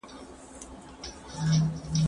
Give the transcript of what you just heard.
يا مايک ته لاس کړئ.